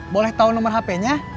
boleh tahu nomor hp nya